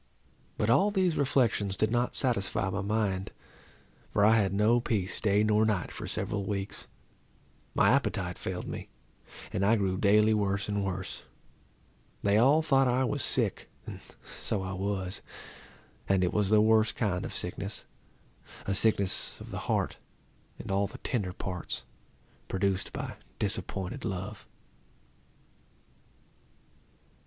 But all these reflections did not satisfy my mind, for I had no peace day nor night for several weeks. My appetite failed me, and I grew daily worse and worse. They all thought I was sick; and so I was. And it was the worst kind of sickness, a sickness of the heart, and all the tender parts, produced by disappointed love.